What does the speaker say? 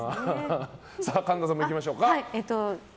神田さんもいきましょうか。